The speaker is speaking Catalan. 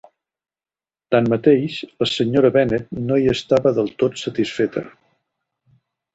Tanmateix, la senyora Bennet no hi estava del tot satisfeta.